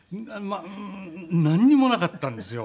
なんにもなかったんですよ。